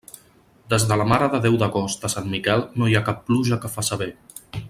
Des de la Mare de Déu d'agost a Sant Miquel no hi ha cap pluja que faça bé.